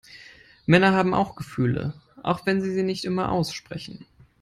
Männer haben auch Gefühle, auch wenn sie sie nicht immer aussprechen.